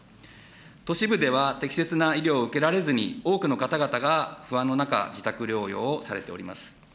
都市部では、適切な医療を受けられずに、多くの方々が不安の中、自宅療養をされております。